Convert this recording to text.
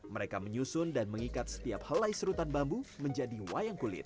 mereka menyusun dan mengikat setiap helai serutan bambu menjadi wayang kulit